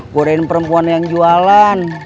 buah perempuan yang jualan